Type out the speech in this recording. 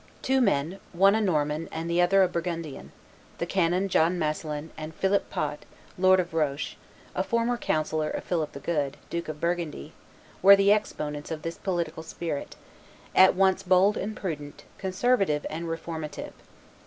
Two men, one a Norman and the other a Burgundian, the canon John Masselin and Philip Pot, lord of la Roche, a former counsellor of Philip the Good, Duke of Burgundy, were the exponents of this political spirit, at once bold and prudent, conservative and reformative.